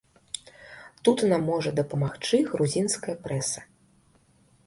Тут нам можа дапамагчы грузінская прэса.